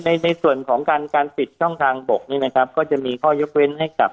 ในส่วนของการการปิดช่องทางบกนี้นะครับก็จะมีข้อยกเว้นให้กับ